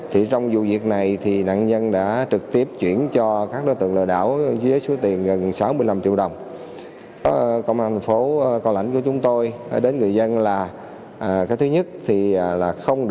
trong vụ việc này nạn nhân đã trực tiếp chuyển cho các đối tượng lợi đảo với số tiền gần sáu mươi năm triệu đồng